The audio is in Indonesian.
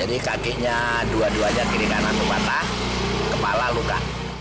jadi kakinya dua duanya kiri kanan pun patah kepala luka